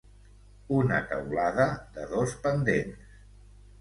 Una teulada de dos pendents.